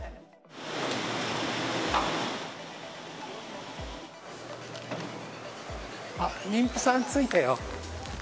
あっ、妊婦さん着いたよ。